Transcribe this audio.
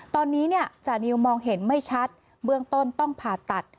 ตอนนี้จานิวมองเห็นไม่ชัดเบื้องต้นต้องผ่าตัด